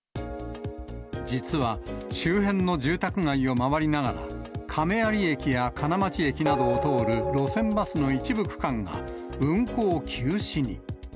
実は、周辺の住宅街を回りながら、亀有駅や金町駅などを通る路線バスの一部区間が運行休止に。